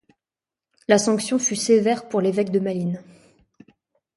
La sanction fût sévère pour l'évêque de Malines.